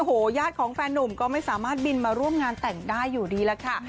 โอ้โหญาติของแฟนนุ่มก็ไม่สามารถบินมาร่วมงานแต่งได้อยู่ดีล่ะค่ะ